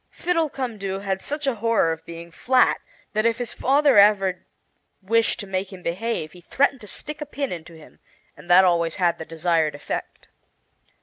Fiddlecumdoo had such a horror of being flat that, if his father ever wished to make him behave, he threatened to stick a pin into him, and that always had the desired effect.